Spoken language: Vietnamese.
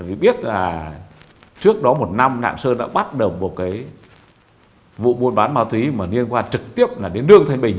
vì biết là trước đó một năm lạng sơn đã bắt đầu một cái vụ mua bán ma túy mà liên quan trực tiếp là đến lương thanh bình